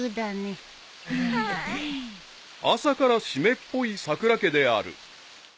［朝から湿っぽいさくら家である］